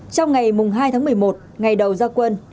trong ngày hai tháng một mươi một ngày đầu gia quân